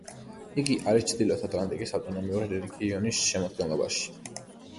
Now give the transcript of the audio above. იგი არის ჩრდილოეთ ატლანტიკის ავტონომიური რეგიონის შემადგენლობაში.